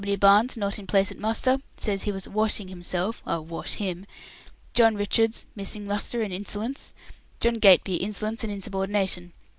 W. Barnes, not in place at muster; says he was 'washing himself' I'll wash him! John Richards, missing muster and insolence. John Gateby, insolence and insubordination.